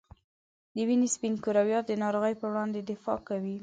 د وینې سپین کرویات د ناروغۍ په وړاندې دفاع کوي.